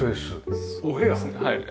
はい。